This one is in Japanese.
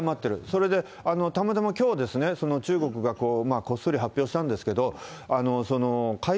それで、たまたまきょう、中国がこっそり発表したんですけど、かい